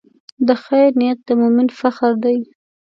د خیر نیت د مؤمن فخر دی.